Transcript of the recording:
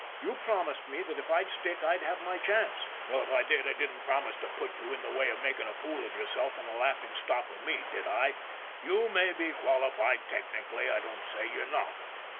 You promised me that if I'd stick I'd have my chance." " Well, if I did, I didn't promise to put you in the way of making a fool of yourself and a laughing stock of me, did I? You may be qualified technically, I don't say you're not.